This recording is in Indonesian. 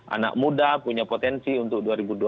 anak muda punya potensi untuk dua ribu dua puluh